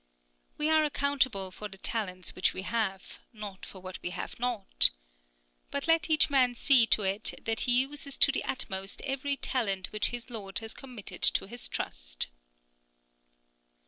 We are accountable for the talents which we have, not for what we have not. But let each man see to it that he uses to the utmost every talent which his Lord has committed to his trust.